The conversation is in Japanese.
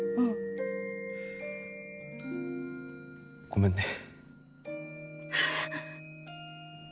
ごめんね。